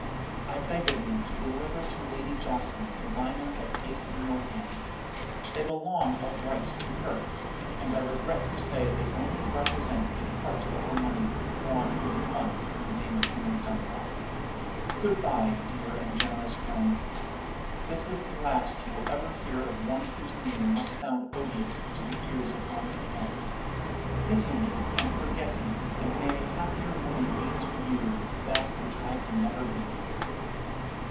I beg of you to deliver to Lady Jocelyn the diamonds I place in your hands. They belong of right to her; and I regret to say they only represent a part of the money withdrawn from the funds in the name of Henry Dunbar. Good bye, dear and generous friend; this it the last you will ever hear of one whose name must sound odious to the ears of honest men. Pity me, and forget me; and may a happier woman be to you that which I can never be!